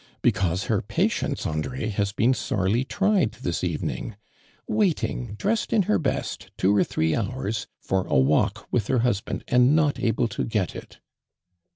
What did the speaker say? " Because her patience, Andre, has been sorely tried this evening. Waiting, dressed in her best two or three hours, for a walk with her husband and not able to get it."